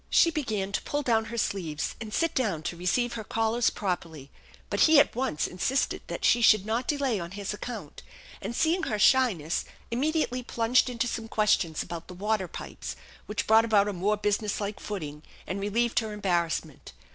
She began to pull down her sleeves and sit down to receive her callers properly; but he at once insisted that she should not delay on his account, and, seeing her shyness, immediately plunged into some questions about the water pipes, which brought about a more businesslike footing and relieved her embarrassment.